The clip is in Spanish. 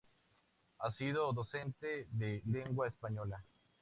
Ha sido docente de Lengua Española.